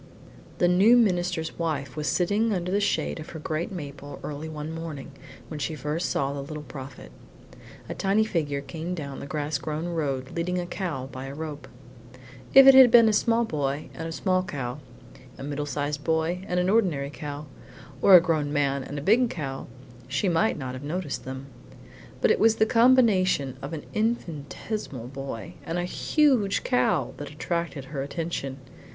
II The new minister's wife was sitting under the shade of her great maple early one morning, when she first saw the Little Prophet. A tiny figure came down the grass grown road leading a cow by a rope. If it had been a small boy and a small cow, a middle sized boy and an ordinary cow, or a grown man and a big cow, she might not have noticed them; but it was the combination of an infinitesimal boy and a huge cow that attracted her attention.